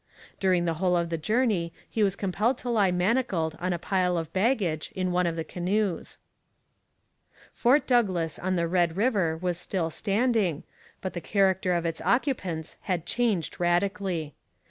During the whole of the journey he was compelled to lie manacled on a pile of baggage in one of the canoes. Fort Douglas on the Red River was still standing, but the character of its occupants had changed radically.